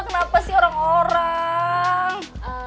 kenapa sih orang orang